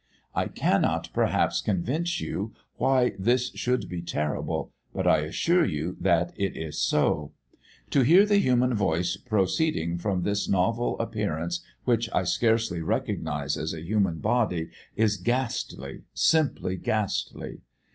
I cannot perhaps convince you why this should be terrible, but I assure you that it is so. To hear the human voice proceeding from this novel appearance which I scarcely recognise as a human body is ghastly, simply ghastly.